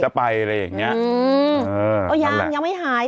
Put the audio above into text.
จะไปอะไรอย่างเงี้ยเออเหมือนตลอดอ่าวยังอย่างยังไม่หาย